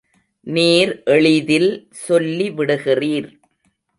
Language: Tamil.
நீர் எளிதில் சொல்லி விடுகிறீர்.